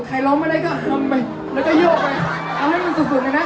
ถ้าช่ายข้างบนไปแล้วก็โยกมันเอามันเป็นสุดสุดเลยนะ